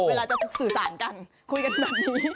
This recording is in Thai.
เวลาจะสื่อสารกันคุยกันแบบนี้